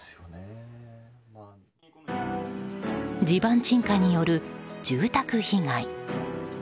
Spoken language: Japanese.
地盤沈下による住宅被害。